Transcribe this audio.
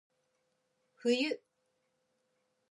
冬